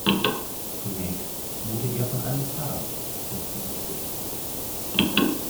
Zunächst wurde er von einem Pfarrer unterrichtet.